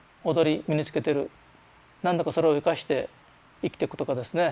なんとかそれを生かして生きてくとかですね。